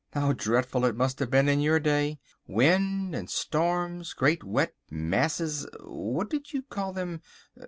How dreadful it must have been in your day—wind and storms, great wet masses—what did you call them?